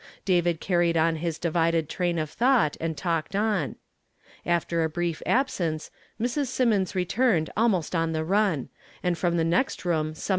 David carried on his divided train of thought, and talked on. After a brief ab sence, Mrs. Symonds returned almost on the run, and from the next room summoned Mary to 1 ■!